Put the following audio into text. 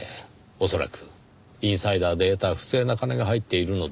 恐らくインサイダーで得た不正な金が入っているのでしょう。